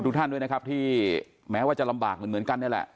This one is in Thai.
ทุกท่านด้วยนะครับที่แม้ว่าจะลำบากเหมือนกันนี่แหละ